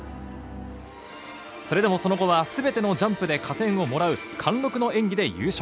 それでも、その後はすべてのジャンプで加点をもらう貫禄の演技で優勝。